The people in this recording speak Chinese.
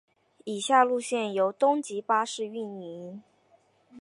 以下路线由东急巴士营运。